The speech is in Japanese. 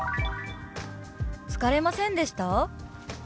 「疲れませんでした？」。